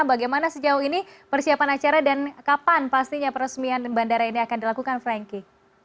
bagaimana sejauh ini persiapan acara dan kapan pastinya peresmian bandara ini akan dilakukan franky